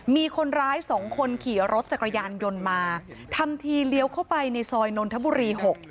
มีคนร้ายสองคนขี่รถจักรยานยนต์มาทำทีเลี้ยวเข้าไปในซอยนนทบุรี๖